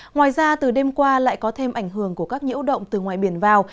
ngoài ra từ đêm qua lại có thêm ảnh hưởng của các nhiễu động từ ngoài biển vào